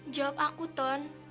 jawab aku tom